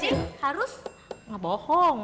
jadi harus ngebohong